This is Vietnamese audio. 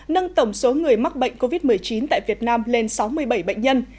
nâng tổng số người mắc bệnh covid một mươi chín tại việt nam lên sáu mươi bảy bệnh nhân